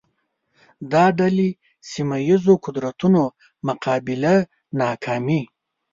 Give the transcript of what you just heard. دا ډلې سیمه ییزو قدرتونو مقابله ناکامې